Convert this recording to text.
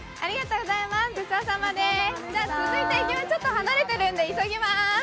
続いて、ちょっと離れてるんで急ぎます。